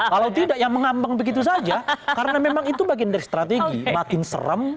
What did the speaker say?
kalau tidak yang mengambang begitu saja karena memang itu bagian dari strategi makin serem